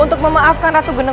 untuk memaafkan ratu gendeng